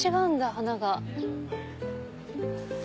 花が。